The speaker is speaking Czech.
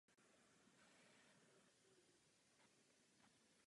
Sídlo její správy je v Liberci.